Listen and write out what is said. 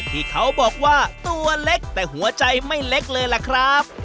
ที่เขาบอกว่าตัวเล็กแต่หัวใจไม่เล็กเลยล่ะครับ